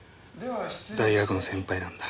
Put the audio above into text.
大学の先輩なんだ。